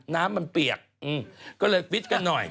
น้ำมันเปียกก็เลยฟิตกันหน่อย